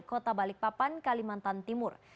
kota balikpapan kalimantan timur